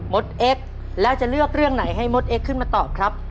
ดเอ็กซ์แล้วจะเลือกเรื่องไหนให้มดเอ็กขึ้นมาตอบครับ